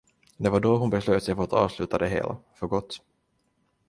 Det var då hon beslöt sig för att avsluta det hela, för gott.